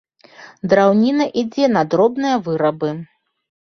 Драўніна ідзе на дробныя вырабы.